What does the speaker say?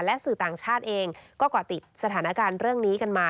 และสื่อต่างชาติเองก็เกาะติดสถานการณ์เรื่องนี้กันมา